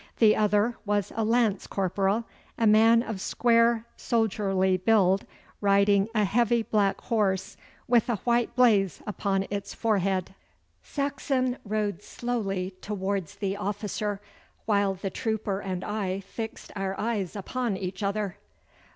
The other was a lance corporal, a man of square soldierly build, riding a heavy black horse with a white blaze upon its forehead. Saxon rode slowly towards the officer, while the trooper and I fixed our eyes upon each other.